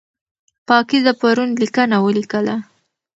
پاکیزه پرون لیکنه ولیکله.